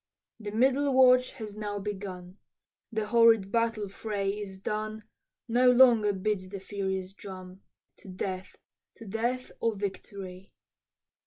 The middle watch has now begun, The horrid battle fray is done, No longer beats the furious drum, To death, to death or victory.